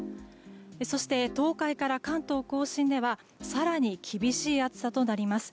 そして東海から関東・甲信では更に厳しい暑さとなります。